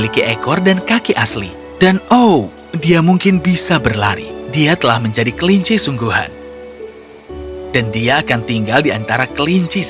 kau tidak bisa mencintai aku lagi